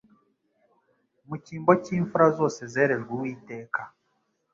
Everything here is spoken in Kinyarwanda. mu cyimbo cy'imfura zose zerejwe Uwiteka.